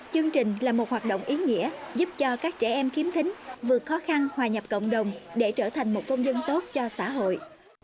chương trình là một hoạt động ý nghĩa giúp cho các trẻ em khiếm thính vượt khó khăn hòa nhập cộng đồng để trở thành một công dân tốt cho xã hội